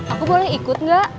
aku boleh ikut gak